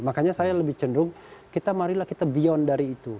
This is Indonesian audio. makanya saya lebih cenderung kita marilah kita beyond dari itu